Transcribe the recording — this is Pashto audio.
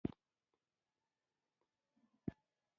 کوتره د آسمان سپینه ستورۍ ده.